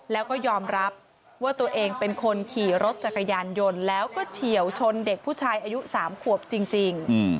แล้วก็ยอมรับว่าตัวเองเป็นคนขี่รถจักรยานยนต์แล้วก็เฉียวชนเด็กผู้ชายอายุ๓ขวบจริง